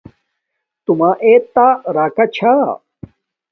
تو ما ایت تا راکا چھا